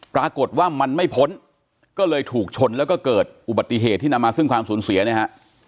ปรากฏว่ามันไม่พ้นก็เลยถูกชนแล้วก็เกิดอุบัติเหตุที่นำมาซึ่งความสูญเสียเนี่ยฮะ